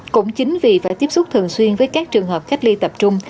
cũng chính vì phải tiếp xúc thường xuyên với các trường hợp cách ly tập trung